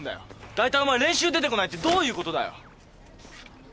大体お前練習出てこないってどういうことだよ？